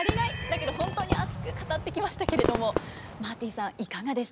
だけど本当に熱く語ってきましたけれどもマーティさんいかがでしたでしょうか？